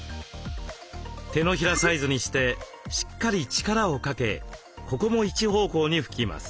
手のひらサイズにしてしっかり力をかけここも一方向に拭きます。